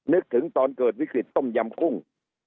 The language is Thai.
นึกถึงตอนเกิดวิกฤตต้มยำกุ้ง